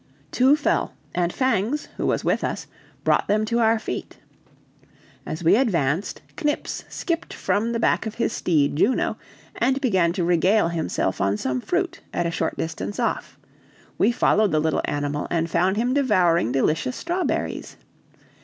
Two fell, and Fangs, who was with us, brought them to our feet. As we advanced, Knips skipped from the back of his steed Juno and began to regale himself on some fruit, at a short distance off; we followed the little animal and found him devouring delicious strawberries.